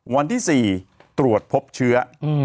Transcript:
วันที่๔ตรวจพบเชื้อ